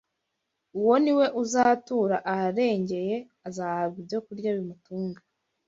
uwo ni we uzatura aharengeye azahabwa ibyokurya bimutunga,